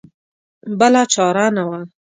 بله چاره نه وه.